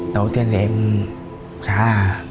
đầu tiên thì em khá là